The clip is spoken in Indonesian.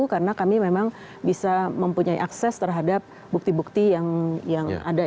karena kami memang bisa mempunyai akses terhadap bukti bukti yang ada